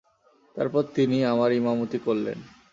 তারপর তিনি আমার ইমামতি করলেন।